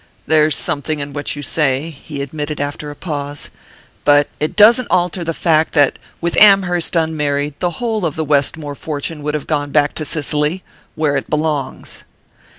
"There's something in what you say," he admitted after a pause. "But it doesn't alter the fact that, with Amherst unmarried, the whole of the Westmore fortune would have gone back to Cicely where it belongs."